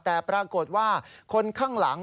แต่ปรากฏว่าคนข้างหลัง